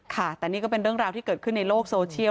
ค่ะแต่นี่ก็เป็นเรื่องราวที่เกิดขึ้นในโลกโซเชียล